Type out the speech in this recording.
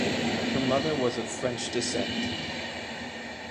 Her mother was of French descent.